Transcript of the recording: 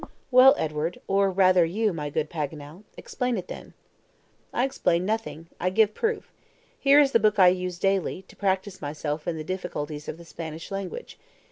"Well, Edward or rather you, my good Paganel explain it then." "I explain nothing. I give proof. Here is the book I use daily, to practice myself in the difficulties of the Spanish language.